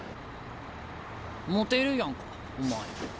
モテるやんかお前。